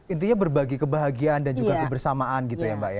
intinya berbagi kebahagiaan dan juga kebersamaan gitu ya mbak ya